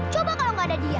coba kalau gak ada dia